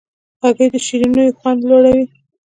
هګۍ د شیرینیو خوند لوړوي.